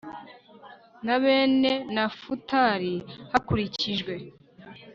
na bene nafutali hakurikijwe